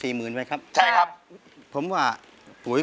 ร้องได้ให้ร้อง